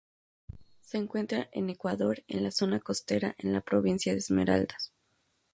Se encuentra en Ecuador en la zona costera en la Provincia de Esmeraldas.